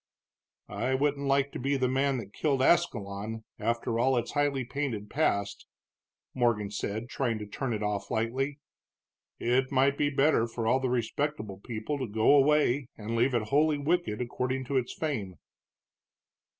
"I wouldn't like to be the man that killed Ascalon, after all its highly painted past," Morgan said, trying to turn it off lightly. "It might be better for all the respectable people to go away and leave it wholly wicked, according to its fame."